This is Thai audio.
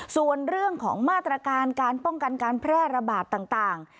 ส่วนเรื่องของมาตรการการป้องกันการแพร่ระบาดต่าง